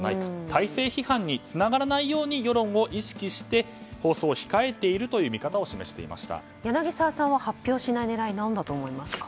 体制批判につながらないように世論を意識して、放送を控えているという見方を柳澤さんは発表しない狙いは何だと思いますか？